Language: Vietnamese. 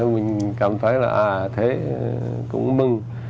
mình cảm thấy là à thế cũng mừng